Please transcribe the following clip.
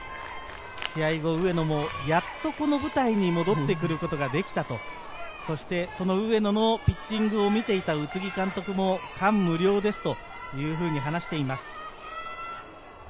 試合後、上野もやっとこの舞台に戻ってくることができたと、上野のピッチングを見ていた宇津木監督も感無量ですと話しています。